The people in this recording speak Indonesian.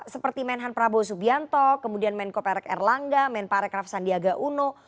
seperti menhan prabowo subianto kemudian menko perak erlangga men parek raff sandiaga uno